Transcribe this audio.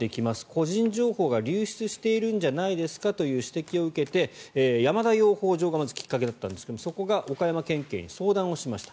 個人情報が流出しているんじゃないですかという指摘を受けて山田養蜂場がまずきっかけだったんですがそこが岡山県警に相談しました。